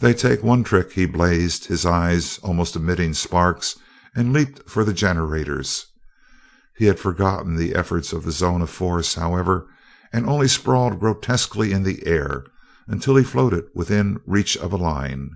"They take one trick!" he blazed, his eyes almost emitting sparks, and leaped for the generators. He had forgotten the efforts of the zone of force, however, and only sprawled grotesquely in the air until he floated within reach of a line.